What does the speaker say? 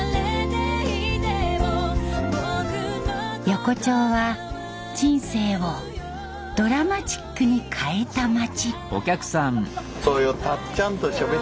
横丁は人生をドラマチックに変えた街。